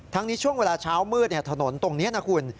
นี้ช่วงเวลาเช้ามืดถนนตรงนี้นะคุณ